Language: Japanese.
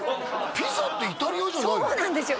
ピザってイタリアじゃないのそうなんですよ